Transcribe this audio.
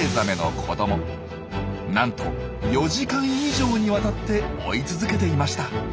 なんと４時間以上にわたって追い続けていました。